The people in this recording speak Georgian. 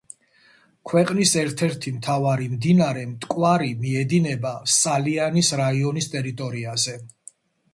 ქვეყნის ერთ-ერთი მთავარი მდინარე მტკვარი მიედინება სალიანის რაიონის ტერიტორიაზე.